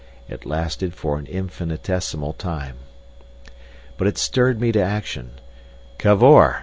It lasted for an infinitesimal time. But it stirred me to action. "Cavor!"